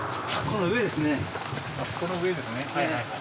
この上ですね？